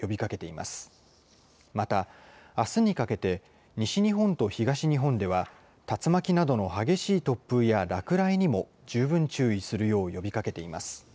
また、あすにかけて西日本と東日本では、竜巻などの激しい突風や落雷にも十分注意するよう呼びかけています。